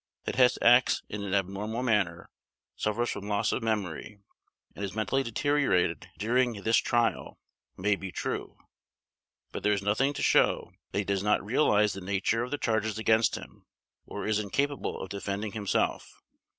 That Hess acts in an abnormal manner, suffers from loss of memory, and has mentally deteriorated during this Trial, may be true. But there is nothing to show that he does not realize the nature of the charges against him, or is incapable of defending himself.